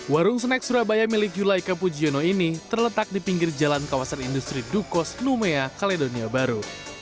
warung snack surabaya milik yulaika pujiono ini terletak di pinggir jalan kawasan industri dukos numea kaledonia baru